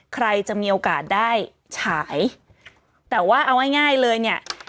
ใครจะมีโอกาสได้ฉายแต่ว่าเอาง่ายง่ายเลยเนี่ย